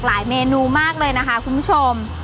เพราะว่าผักหวานจะสามารถทำออกมาเป็นเมนูอะไรได้บ้าง